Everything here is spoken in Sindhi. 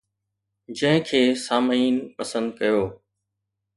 جنهن کي سامعين پسند ڪيو